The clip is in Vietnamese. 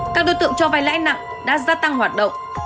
các đối tượng cho vai lãi nặng đã gia tăng hoạt động